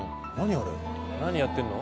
あれ何やってんの？